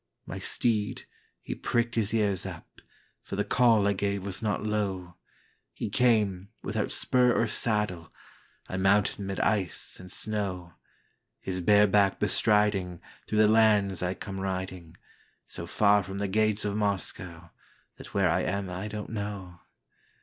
My steed, he pricked his ears up, For the call I gave was not low; He came; without spur or saddle,I mounted mid ice and snow; His bare back bestriding, Through the lands I come riding, So far from the gates of MoscowThat where I am I don't know.